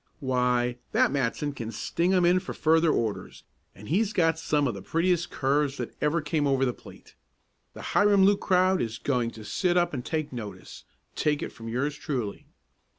"Why, that Matson can sting 'em in for further orders, and he's got some of the prettiest curves that ever came over the plate. The Hiram Luke crowd is going to sit up and take notice, take it from yours truly."